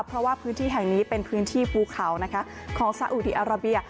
เพราะว่าพื้นที่แห่งนี้เป็นพื้นที่ภูเขาของสาอุดีอาราเบีย